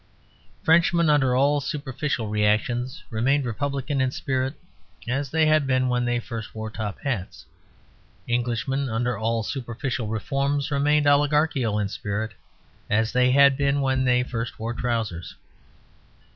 Frenchmen, under all superficial reactions, remained republican in spirit, as they had been when they first wore top hats. Englishmen, under all superficial reforms, remained oligarchical in spirit, as they had been when they first wore trousers.